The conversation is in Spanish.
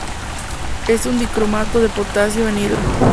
Es un dicromato de potasio anhidro.